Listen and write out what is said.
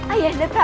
ayah handa perang